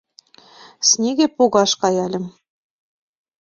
Снеге погаш каяльым